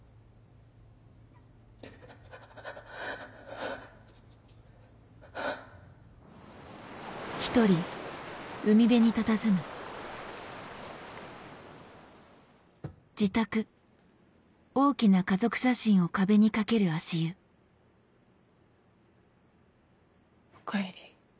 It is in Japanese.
ハァハァおかえり